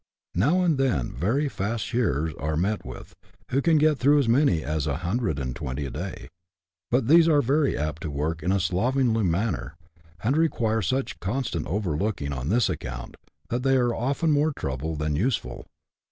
Now and then very fast shearers are met with, who can get through as many as 120 a day ; but these are very apt to work in a slovenly manner, and require such constant overlooking on this account, that they are often more trouble some than useful.